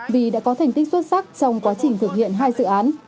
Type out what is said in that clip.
vì đã có thành tích xuất sắc trong quá trình thực hiện hai dự án